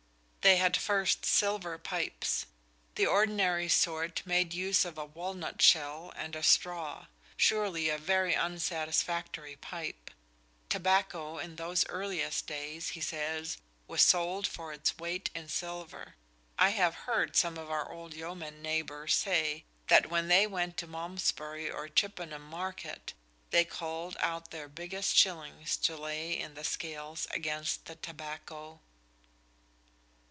"They had first silver pipes; the ordinary sort made use of a walnut shell and a straw" surely a very unsatisfactory pipe. Tobacco in those earliest days, he says, was sold for its weight in silver. "I have heard some of our old yeomen neighbours say that when they went to Malmesbury or Chippenham Market, they culled out their biggest shillings to lay in the scales against the tobacco."